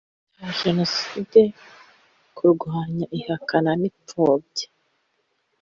Cya jenoside, kurwanya ihakana n’ipfobya